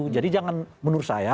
jadi jangan menurut saya